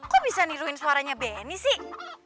kok bisa niruin suaranya beni sih